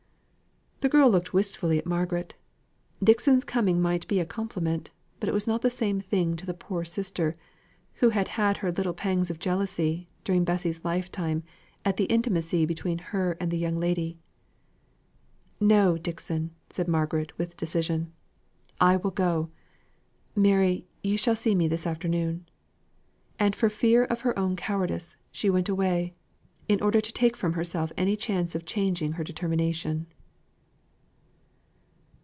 The girl looked wistfully at Margaret. Dixon's coming might be a compliment, but it was not the same thing to the poor sister, who had had her little pangs of jealousy, during Bessy's lifetime, at the intimacy between her and the young lady. "No, Dixon!" said Margaret with decision. "I will go. Mary, you shall see me this afternoon." And for fear of her own cowardice, she went away, in order to take from herself any chance of changing her determination.